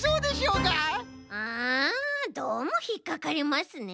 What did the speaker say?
うんどうもひっかかりますね。